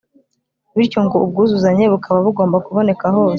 bityo ubwo bwuzuzanye bukaba bugomba kuboneka hose